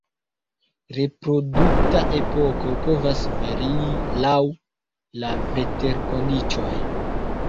Reprodukta epoko povas varii laŭ la veterkondiĉoj.